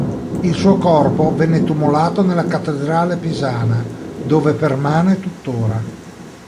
Il suo corpo venne tumulato nella cattedrale pisana, dove permane tuttora.